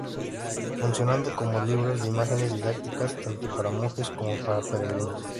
Funcionaban como libros de imágenes didácticas tanto para monjes como para peregrinos.